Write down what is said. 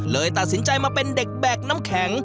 เลยตัดสินใจมาเป็นเด็กแบกน้ำแข็ง